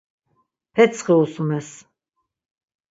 Petsxi usumes.